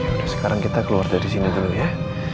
terus sekarang kita keluar dari sini dulu ya